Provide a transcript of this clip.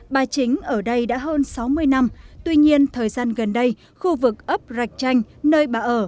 bà chính ở đây đã hơn sáu mươi năm tuy nhiên thời gian gần đây khu vực ấp rạch chanh nơi bà ở